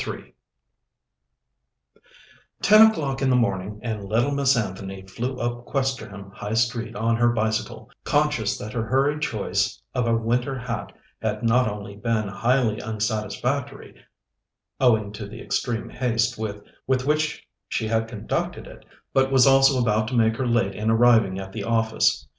III Ten o'clock in the morning, and little Miss Anthony flew up Questerham High Street on her bicycle, conscious that her hurried choice of a winter hat had not only been highly unsatisfactory, owing to the extreme haste with which she had conducted it, but was also about to make her late in arriving at the office.